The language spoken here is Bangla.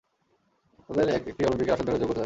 তাদের এক-একটি অলিম্পিকের আসর ধরে যোগ্যতা যাচাই হবে।